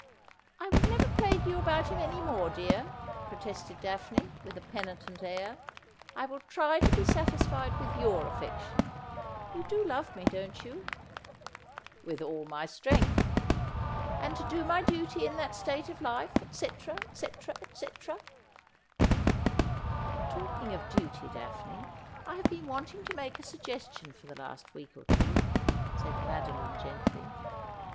' I will never plague you about him any more, dear,' pro tested Daphne, with a penitent air. ' I will try to be satisfied with your affection. You do love me, don't you ?'' With all my strength.' ' And to do my duty in that state of life, etc., etc., etc' ' Talking of duty. Daphne, I have been wanting to make a suggestion for the last week or two,' said Madoline gently.